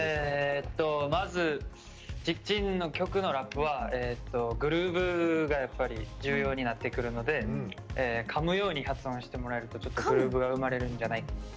まず「ＪＩＫＪＩＮ」の曲のラップはグルーヴが重要になってくるのでかむように発音してもらえるとグルーヴが生まれるんじゃないかと。